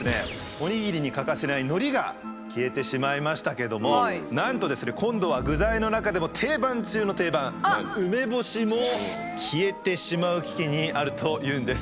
おにぎりに欠かせないのりが消えてしまいましたけどもなんとですね今度は具材の中でも定番中の定番梅干しも消えてしまう危機にあるというんです。